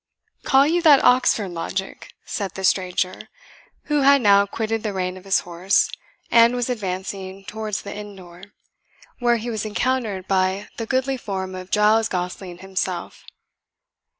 "Call you that Oxford logic?" said the stranger, who had now quitted the rein of his horse, and was advancing towards the inn door, when he was encountered by the goodly form of Giles Gosling himself.